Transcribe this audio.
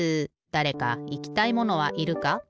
だれかいきたいものはいるか？